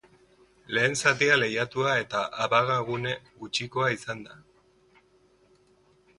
Lehen zatia lehiatua eta abagune gutxikoa izan da.